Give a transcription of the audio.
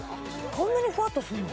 こんなにふわっとするの？